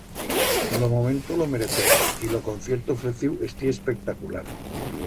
Lo momento lo mereceba y lo concierto ofreciu estié espectacular.